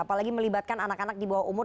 apalagi melibatkan anak anak di bawah umur